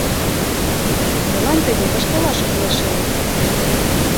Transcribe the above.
Молан тыге ыштылаш кӱлеш ыле?